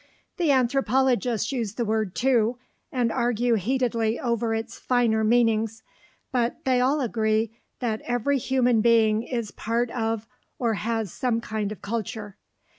The anthropologists use the word too, and argue heatedly over its finer meanings; but they all agree that every human being is part of or has some kind of culture.